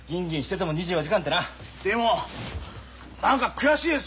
でも何か悔しいです。